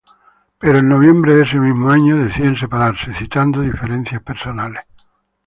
Pero en noviembre de ese mismo año deciden separarse, citando diferencias personales.